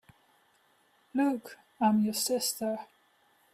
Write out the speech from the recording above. Luke, I am your sister!